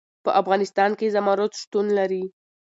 په افغانستان کې زمرد شتون لري.